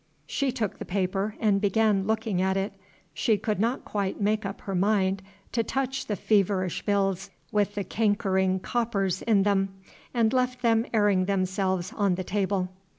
She took the paper and began looking at it. She could not quite make up her mind to touch the feverish bills with the cankering coppers in them, and left them airing themselves on the table.